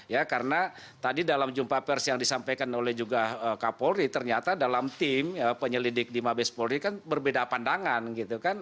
ya karena tadi dalam jumpa pers yang disampaikan oleh juga kapolri ternyata dalam tim penyelidik di mabes polri kan berbeda pandangan gitu kan